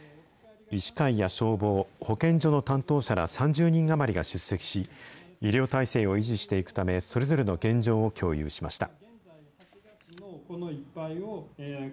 医師会や消防、保健所の担当者ら３０人余りが出席し、医療体制を維持していくため、それぞれの現状を共有しました。